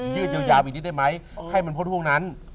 ยืดยาวอีกนิดได้ไหมให้มันพอทุกวันนั้น